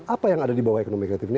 apa yang ada di bawah ekonomi kreatif ini